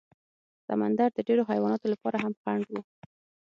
سمندر د ډېرو حیواناتو لپاره هم خنډ و.